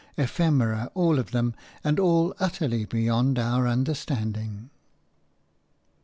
Ephemera, all of them; and all utterly beyond our understanding.